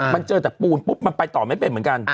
มันเจอแต่ปูนปุ๊บมันไปต่อไม่เป็นเหมือนกัน